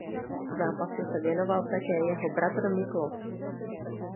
Zápasu se věnoval také jeho bratr Miklós.